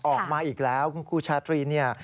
ออกมาอีกแล้วคุณครูชาตรีเนี่ย